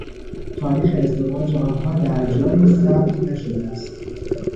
تاریخ ازدواج آنها در جایی ثبت نشده است.